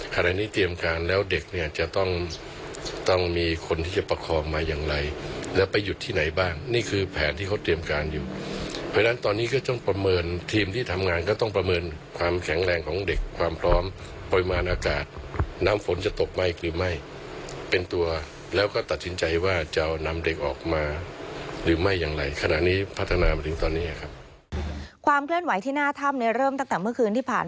ขณะนี้เตรียมการแล้วเด็กเนี่ยจะต้องต้องมีคนที่จะประคอมมาอย่างไรแล้วไปหยุดที่ไหนบ้างนี่คือแผนที่เขาเตรียมการอยู่เพราะฉะนั้นตอนนี้ก็ต้องประเมินทีมที่ทำงานก็ต้องประเมินความแข็งแรงของเด็กความพร้อมบริมาณอากาศน้ำฝนจะตกไม่หรือไม่เป็นตัวแล้วก็ตัดสินใจว่าจะเอานำเด็กออกมาหรือไม่อย่างไรขณะน